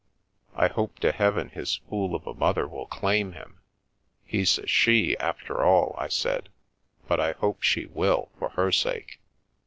I hope to heaven his fool of a mother will claim him." " He's a she, after all," I said, " but I hope she will, for her sake.